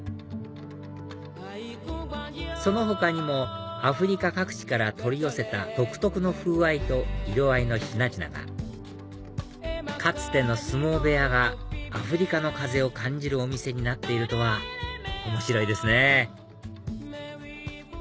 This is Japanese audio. その他にもアフリカ各地から取り寄せた独特の風合いと色合いの品々がかつての相撲部屋がアフリカの風を感じるお店になっているとは面白いですね！